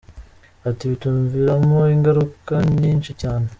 Ati “ Bituviramo ingaruka nyinshi cyane.